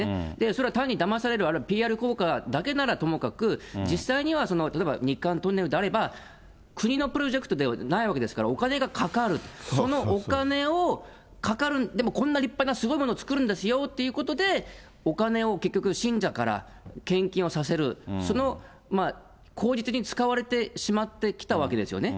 それは単にだまされる、あるいはＰＲ効果だけならともかく、実際には例えば日韓トンネルであれば、国のプロジェクトではないわけですから、お金がかかる、そのお金を、かかる、でもこんな立派なすごいもの作るんですよということで、お金を結局、信者から献金をさせる、その口実に使われてしまってきたわけですよね。